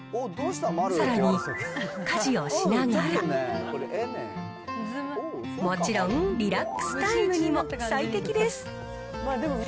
さらに、家事をしながら、もちろん、リラックスタイムにも最適です。